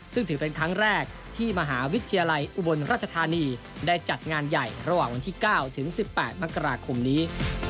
ซึ่งถือเป็นครั้งแรกที่มหาวิทยาลัยอุบลราชธานีได้จัดงานใหญ่ระหว่างวันที่๙ถึง๑๘มกราคมนี้